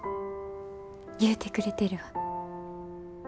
言うてくれてるわ。